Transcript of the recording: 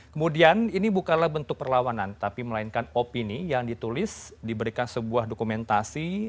kemudian ini bukanlah bentuk perlawanan tapi melainkan opini yang ditulis diberikan sebuah dokumentasi